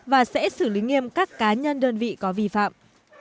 và sẽ xử lý nghiêm các cá nhân đơn vị có vi phạm